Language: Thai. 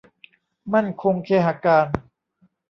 มั่นคงเคหะการ